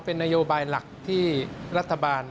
เป็นนโยบายหลักที่รัฐบาล